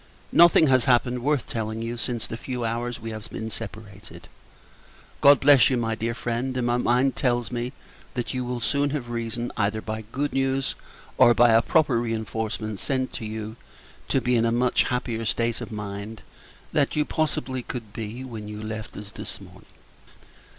Nothing has happened, worth telling you, since the few hours we have been separated. God bless you, my very dear friend; and my mind tells me, that you will soon have reason, either by good news, or by a proper reinforcement sent to you, to be in a much happier state of mind than you could possibly be when you left us this morning.